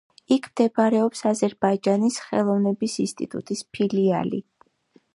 იქ მდებარეობს აზერბაიჯანის ხელოვნების ინსტიტუტის ფილიალი.